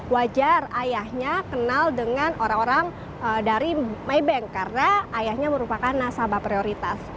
wajar ayahnya kenal dengan orang orang dari maybank karena ayahnya merupakan nasabah prioritas